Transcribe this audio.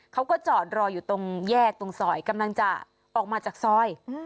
เขาก็จอดรออยู่ตรงแยกตรงซอยกำลังจะออกมาจากซอย